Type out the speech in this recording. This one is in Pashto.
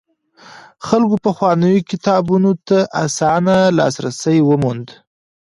خلکو پخوانيو کتابونو ته اسانه لاسرسی وموند.